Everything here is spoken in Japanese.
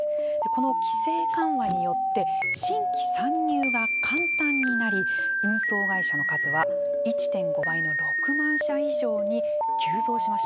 この規制緩和によって新規参入が簡単になり運送会社の数は１．５倍の６万社以上に急増しました。